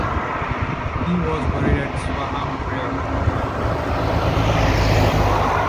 He was buried at Swaffham Prior.